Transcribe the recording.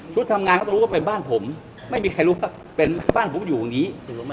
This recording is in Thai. ทำงานก็ต้องรู้ว่าเป็นบ้านผมไม่มีใครรู้ว่าเป็นบ้านผมอยู่อย่างนี้